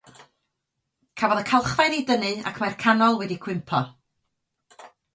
Cafodd y calchfaen ei dynnu ac mae'r canol wedi cwympo.